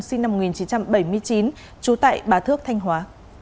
sinh năm một nghìn chín trăm bảy mươi chín trú tại bà thước thanh hóa